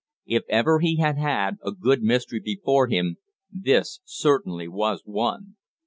If ever he had had a good mystery before him this certainly was one.